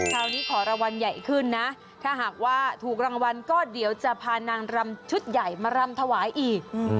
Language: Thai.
คราวนี้ขอรางวัลใหญ่ขึ้นนะถ้าหากว่าถูกรางวัลก็เดี๋ยวจะพานางรำชุดใหญ่มารำถวายอีก